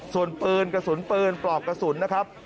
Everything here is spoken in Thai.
ส่วนปืนกระสุนปืนปลอกกระสุนนะครับ